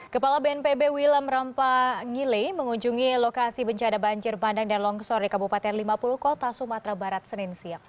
kepala bnpb wilam rampangile mengunjungi lokasi bencana banjir bandang dan longsor di kabupaten lima puluh kota sumatera barat senin siang